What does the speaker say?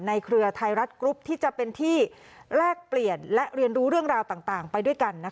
เครือไทยรัฐกรุ๊ปที่จะเป็นที่แลกเปลี่ยนและเรียนรู้เรื่องราวต่างไปด้วยกัน